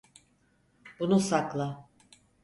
Bunu sakla.